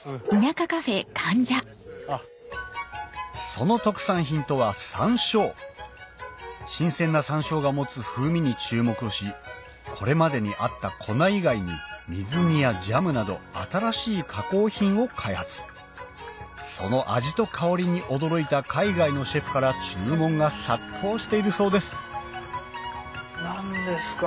その特産品とは山椒新鮮な山椒が持つ風味に注目しこれまでにあった粉以外に水煮やジャムなど新しい加工品を開発その味と香りに驚いた海外のシェフから注文が殺到しているそうです何ですか？